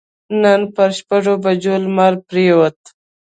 نن پر شپږ بجو لمر پرېوت.